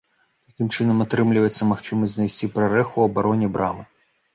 Такім чынам атрымліваецца магчымасць знайсці прарэху ў абароне брамы.